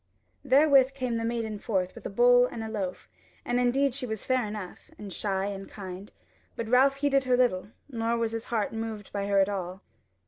Therewith came the maiden forth with the bowl and the loaf; and indeed she was fair enough, and shy and kind; but Ralph heeded her little, nor was his heart moved by her at all.